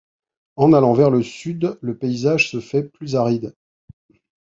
En allant vers le sud, le paysage se fait plus aride.